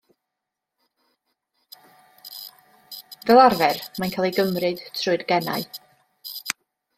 Fel arfer mae'n cael ei gymryd trwy'r genau.